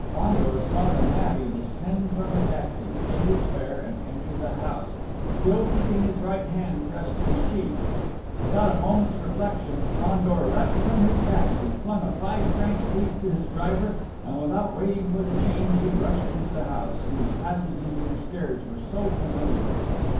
Fandor saw the navvy descend from the taxi, pay his fare, and enter the house, still keeping his right hand pressed to his cheek. Without a moment's reflection, Fandor leapt from his taxi, flung a five franc piece to his driver, and without waiting for the change he rushed into the house, whose passages and stairs were so familiar.